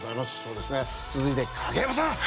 続いて、影山さん。